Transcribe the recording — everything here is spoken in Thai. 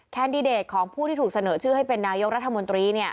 แคนดิเดตของผู้ที่ถูกเสนอชื่อให้เป็นนายกรัฐมนตรี